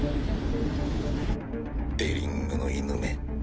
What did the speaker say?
デリングの犬め。